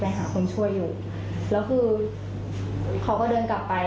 หาคนช่วยอยู่แล้วคือเขาก็เดินกลับไป